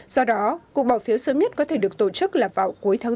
do đó cuộc bỏ phiếu sớm nhất có thể được tổ chức là vào cuối tháng bốn